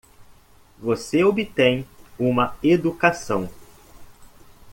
Você obtém uma educação.